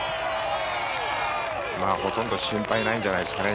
ほとんど心配ないんじゃないですかね。